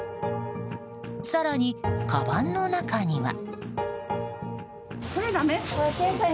更に、かばんの中には。